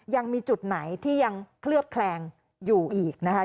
ยังมีจุดไหนที่ยังเคลือบแคลงอยู่อีกนะคะ